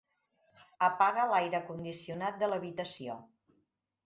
Apaga l'aire condicionat de l'habitació.